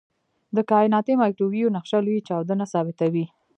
د کائناتي مایکروویو نقشه لوی چاودنه ثابتوي.